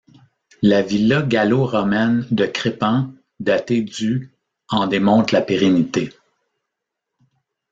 La villa gallo-romaine de Crépan datée du en démontre la pérennité.